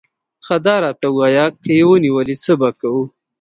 ښه ته داراته ووایه، که یې ونیولې، څه به کوو؟